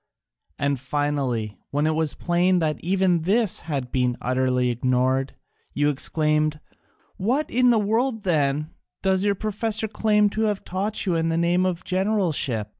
And finally, when it was plain that even this had been utterly ignored, you exclaimed, 'What in the world, then, does your professor claim to have taught you under the name of generalship?'